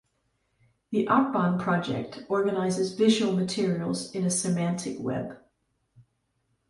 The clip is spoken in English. The Akban project organizes visual materials in a semantic web.